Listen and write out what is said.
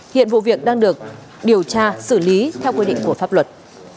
hiện vụ việc đang được điều tra xử lý theo quy định của pháp luật